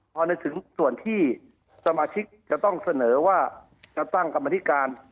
พอในส่วนที่สมาชิกต้องเสนอว่าจะตั้งกรรมถิการ